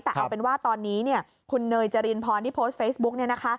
แต่เอาเป็นว่าตอนนี้คุณเนยจรินพรที่โพสต์เฟซบุ๊ก